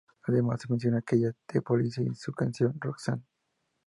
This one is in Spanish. Además, se menciona en ella a The Police y su canción "Roxanne".